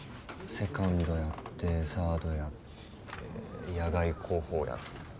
セカンドやってサードやって野外航法やって。